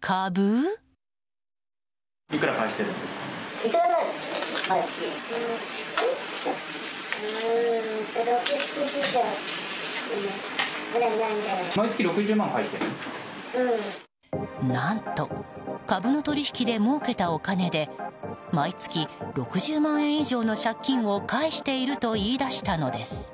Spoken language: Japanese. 株？何と株の取引でもうけたお金で毎月６０万円以上の借金を返していると言い出したのです。